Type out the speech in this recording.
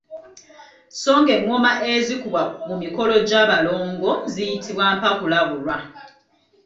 Sso ng'engoma ezikubwa mu mikolo gya balongo ziyitibwa mpakulabulwa.